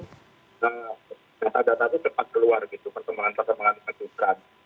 kemudian memang setelah kapolri membentuk tim data data itu cepat keluar gitu pertemuan pertemuan yang diperlukan